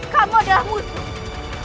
kamu adalah musuh